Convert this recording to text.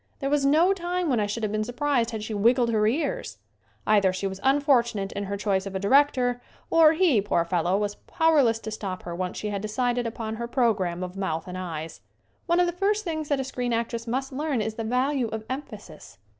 There was no time when I should have been surprised had she wiggled her ears. Either she was unfortunate in her choice of a director or he, poor fellow, was powerless to SCREEN ACTING 83 stop her once she had decided upon her pro gram of mouth and eyes. One of the first things that a screen actress must learn is the value of emphasis.